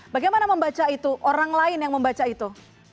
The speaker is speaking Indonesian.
bagaimana membaca itu orang lain yang membaca itu